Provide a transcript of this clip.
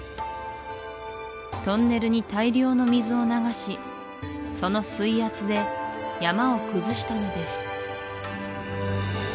トンネルに大量の水を流しその水圧で山を崩したのです